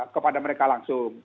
kepada mereka langsung